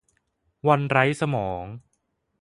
วันไร้สมอง